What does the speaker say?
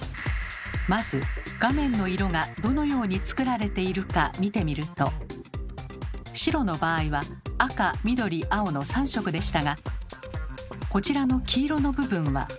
まず画面の色がどのように作られているか見てみると白の場合は赤緑青の３色でしたがこちらの黄色の部分は。